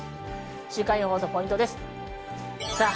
週間予報とポイントです。